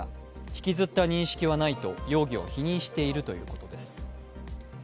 引きずった認識はないと容疑を否認しているということです。